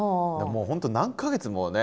もう本当何か月もね